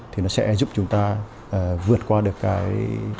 thì nó sẽ giúp chúng ta vượt qua được cái